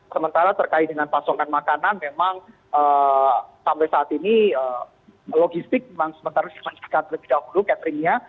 sementara terkait dengan pasokan makanan memang sampai saat ini logistik memang sementara dipastikan terlebih dahulu cateringnya